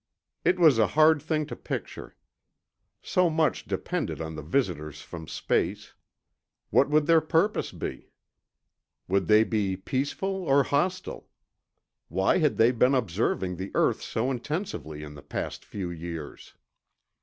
It was a hard thing to picture. So much depended on the visitors from space. What would their purpose be? Would they be peaceful or hostile? Why had they been observing the earth so intensively in the past few years?